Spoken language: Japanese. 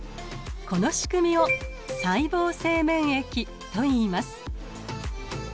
このしくみを細胞性免疫といいます。